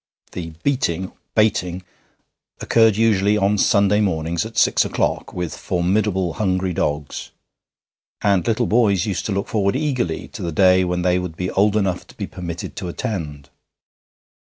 The 'beating' (baiting) occurred usually on Sunday mornings at six o'clock, with formidable hungry dogs; and little boys used to look forward eagerly to the day when they would be old enough to be permitted to attend.